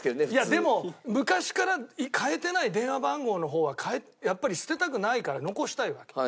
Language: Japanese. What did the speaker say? でも昔から変えてない電話番号の方はやっぱり捨てたくないから残したいわけ。